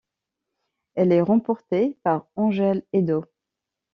Elle est remportée par Ángel Edo.